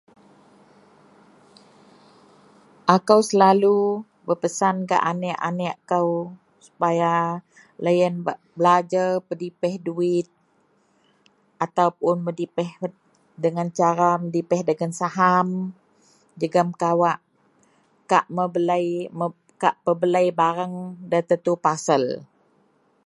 Akou selalu berpesan gak aneak-aneak kou supaya loyen bak belajer pedipeh duwit ataupun medipeh dengan cara medipeh dagen saham jegem kawak kak membelei, kak pebelei bareng nda tetu pasel